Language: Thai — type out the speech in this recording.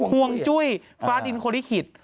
ห่วงจุ้ยฟ้าดินโคลิขิต